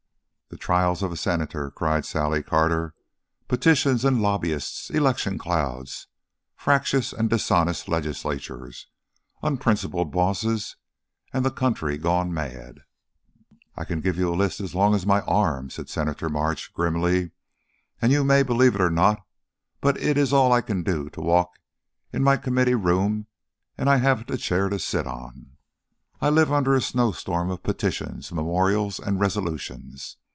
"The trials of a Senator!" cried Sally Carter. "Petitions and lobbyists, election clouds, fractious and dishonest legislatures, unprincipled bosses and the country gone mad!" "I can give you a list as long as my arm," said Senator March, grimly; "and you may believe it or not, but it is all I can do to walk in my Committee room and I haven't a chair to sit on. I live under a snow storm of petitions, memorials, and resolutions.